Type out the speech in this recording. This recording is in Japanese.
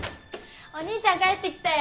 お兄ちゃん帰ってきたよ。